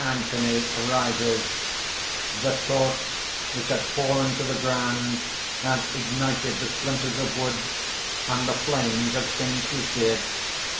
_) ANTHONY (rises). (_The torch, which had fallen to the ground, has ignited the splinters of wood; and the flames have singed his beard.